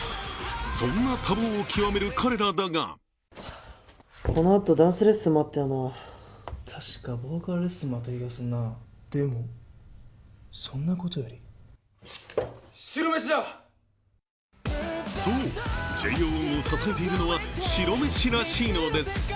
そんな多忙を極める彼らだがそう、ＪＯ１が捧げているのは白飯らしいのです。